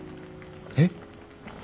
えっ！？